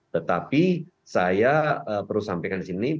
tetapi saya perlu sampaikan di sini